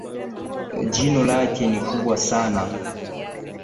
jino lake ni kubwa sana